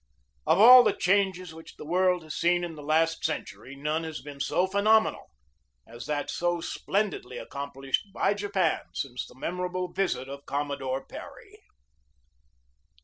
Of all the changes which the world has seen in the last century, none has been so phenomenal as that so splendidly accomplished by Japan since the memo rable visit of Commodore Perry.